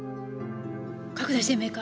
拡大鮮明化。